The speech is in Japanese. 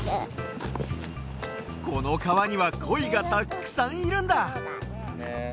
このかわにはコイがたっくさんいるんだ！